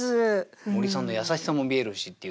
森さんの優しさも見えるしって言ってね。